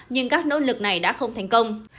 nhưng các nỗ lực này đã không thành công